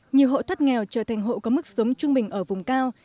nhiều hộ thoát nghèo trở thành hộ có mức sống trung bình ở vùng cao